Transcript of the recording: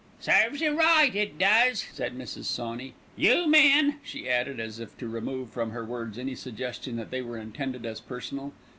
"Serves you right, it does," said Mrs. Sawney. "You men," she added, as if to remove from her words any suggestion that they were intended as personal.